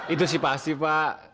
itu sih pasti pak